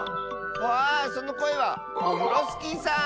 ああそのこえはオフロスキーさん！